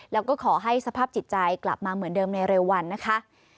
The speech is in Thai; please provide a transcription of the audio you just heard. แล้วก็ขอให้สภาพจิตใจกลับมาเหมือนเดิมในเร็ววันนะคะ